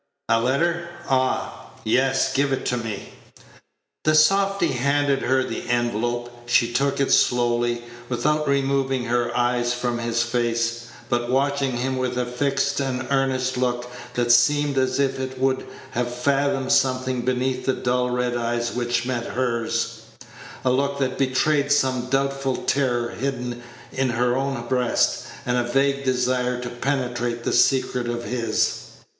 "A letter? Ah! yes, give it me." The softy handed her the envelope. She took it slowly, without removing her eyes from his face, but watching him with a fixed and earnest look that seemed as if it would have fathomed something beneath the dull red eyes which met hers a look that betrayed some doubtful terror hidden in her own breast, and a vague desire to penetrate the secrets of his.